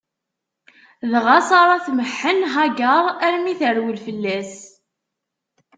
Dɣa Ṣara tmeḥḥen Hagaṛ armi i terwel fell-as.